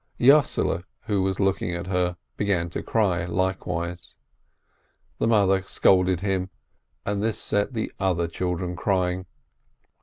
Yossele, who was looking at her, hegan to cry likewise. The mother scolded him, and this set the other children crying.